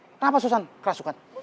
kenapa susann keras bukan